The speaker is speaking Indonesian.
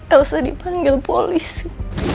elsa dipanggil polisi